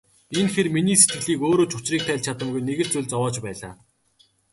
Энэ хэр миний сэтгэлийг өөрөө ч учрыг тайлж чадамгүй нэг л зүйл зовоож байлаа.